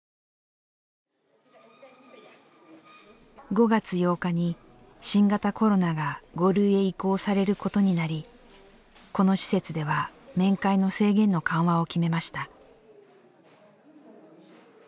５月８日に新型コロナが５類へ移行されることになりこの施設では面会の制限の緩和を決めました。